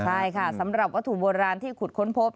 ใช่ค่ะสำหรับวัตถุโบราณที่ขุดค้นพบ